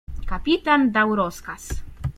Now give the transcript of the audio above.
Kapitan dał rozkaz.